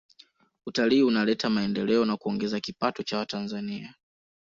Utalii unaleta maendeleo na kuongeza kipato cha watanzania